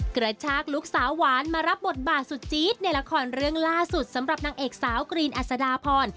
กระชากลูกสาวหวานมารับบทบาทสุดจี๊ดในละครเรื่องล่าสุดสำหรับนางเอกสาวกรีนอัศดาพร